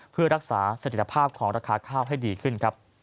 เพื่อรักษาสถิตภาพของราคาข้าวให้ดีขึ้นครับ